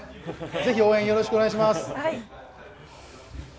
ぜひ応援よろしくお願いします。